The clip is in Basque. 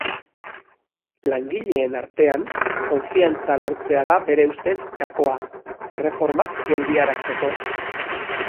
Langileen artean konfidantza lortzea da bere ustez, gakoa, erreformak geldiarazteko.